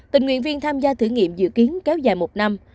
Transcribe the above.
tình nguyện viên tham gia thử nghiệm dự kiến kéo dài một năm